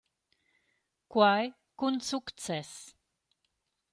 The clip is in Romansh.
Quai cun success.